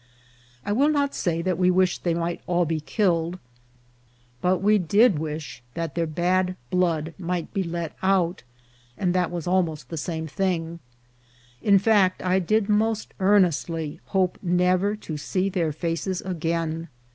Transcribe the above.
I will not say that we wished they might all be killed, but we did wish that their bad blood might be let out, and that was almost the same thing. In fact, I did most earnestly hope never to see their faces again.